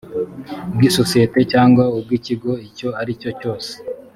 bw isosiyete cyangwa ubw ikigo icyo ari cyo cyose